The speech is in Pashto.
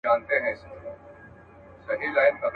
آزارونه را پسې به وي د زړونو.